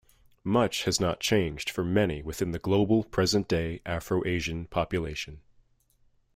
Much has not changed for many within the global, present-day, Afro-Asian population.